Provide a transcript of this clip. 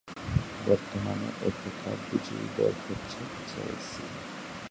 বর্তমান F A cup বিজয়ী দল হচ্ছে চেলসি।